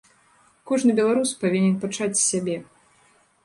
Кожны беларус павінен пачаць з сябе.